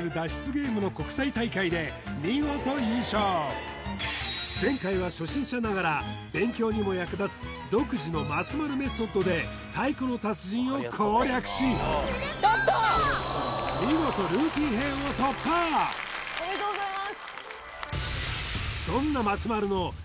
ゲームの国際大会で見事優勝前回は初心者ながら勉強にも役立つ独自の松丸メソッドで太鼓の達人を攻略し見事・おめでとうございます